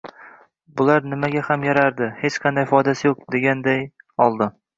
«Bular nimaga ham yarardi, hech qanday foydasi yo'q», deganday oldi.